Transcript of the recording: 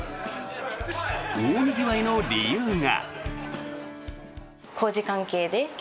大にぎわいの理由が。